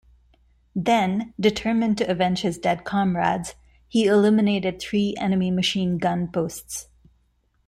Then, determined to avenge his dead comrades, he eliminated three enemy machine-gun posts.